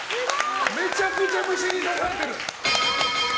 めちゃくちゃ虫に刺されてる！